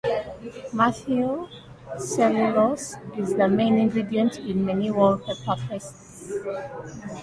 Methyl cellulose is the main ingredient in many wallpaper pastes.